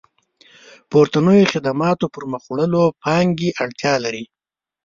پورتنيو خدماتو پرمخ وړلو پانګې اړتيا لري.